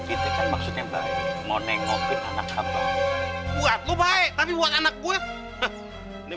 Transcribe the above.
itu kan maksudnya baik ngomong ngobin anak kamu buat lo baik tapi buat anak gue nih